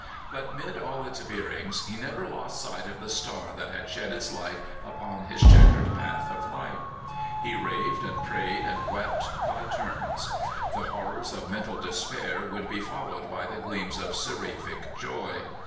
But mid all its veerings he never lost sight of the Star that had shed its light upon his checkered path of life. He raved and prayed and wept, by turns. The hor rors of mental despair would be followed by gleams of seraphic joy.